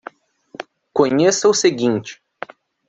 Conheça o seguinte